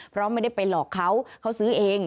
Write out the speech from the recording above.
เพราะไม่ได้ไปหลอกเขาเขาซื้อเอง